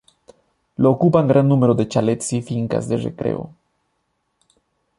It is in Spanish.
Lo ocupan gran número de chalets y fincas de recreo.